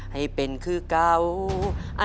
ให้เป็นคือเก่า